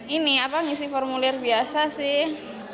ini apa ngisi formulir biasa sih